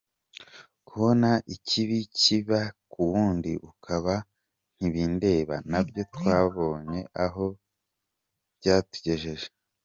Kubona ikibi kiba ku wundi ukaba ntibindeba na byo twabonye aho byatugejeje.